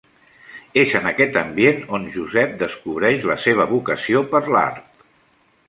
És en aquest ambient on Josep descobreix la seva vocació per l'art.